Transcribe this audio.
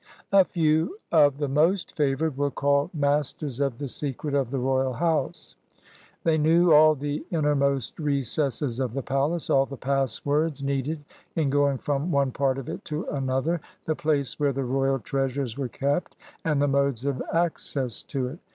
A few of the most favored were called "Masters of the Secret of the Royal House"; they knew all the innermost recesses of the palace, all the passwords needed in going from one part of it to another, the place where the royal treasures were kept, and the modes of access to it.